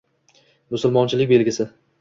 — Musulmonchilik belgisi.